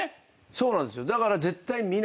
そうなんですよ。